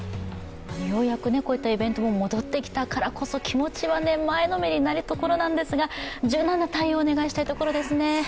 ようやくこういったイベントも戻ってきたからこそ、気持ちは前のめりになるところなんですが柔軟な対応をお願いしたいですね。